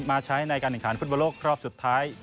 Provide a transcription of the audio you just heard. มาใช้ในการลงทางฟุตบอลโลกครอบสุดท้าย